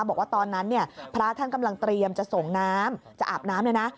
บอกว่าตอนนั้นเนี่ยพระท่านกำลังเตรียมจะส่งน้ำจะอาบน้ำเลยนะ